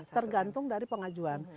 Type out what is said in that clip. tergantung dari pengajuan